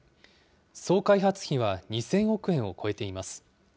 総開発費は２０００億円を超えています。